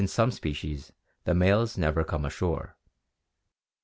some species the males never come ashore.